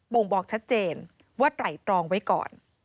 ่งบอกชัดเจนว่าไตรตรองไว้ก่อน